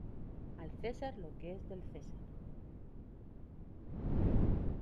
Al César lo que es del César